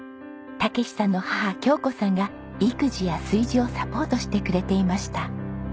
武史さんの母京子さんが育児や炊事をサポートしてくれていました。